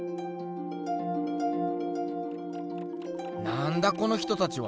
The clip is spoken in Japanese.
なんだこの人たちは？